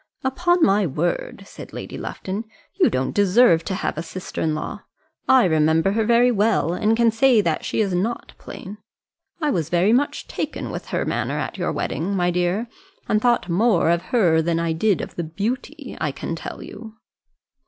"Upon my word," said Lady Lufton, "you don't deserve to have a sister in law. I remember her very well, and can say that she is not plain. I was very much taken with her manner at your wedding, my dear; and thought more of her than I did of the beauty, I can tell you."